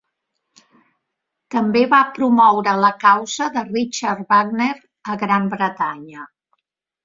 També va promoure la causa de Richard Wagner a Gran Bretanya.